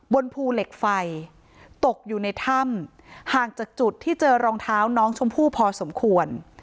บนภูเหล็กไฟตกอยู่ในถ้ำห่างจากจุดที่เจอรองเท้าน้องชมพู่พอสมควร